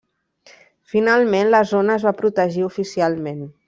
Finalment la zona es va protegir oficialment.